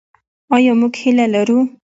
آیا موږ هیله لرو؟